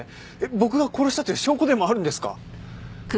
僕が殺したという証拠でもあるんですか？